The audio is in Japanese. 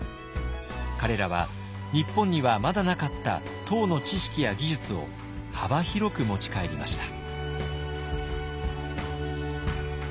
彼らは日本にはまだなかった唐の知識や技術を幅広く持ち帰りました。